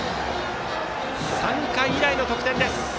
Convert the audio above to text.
３回以来の得点です。